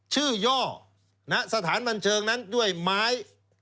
ย่อสถานบันเทิงนั้นด้วยไม้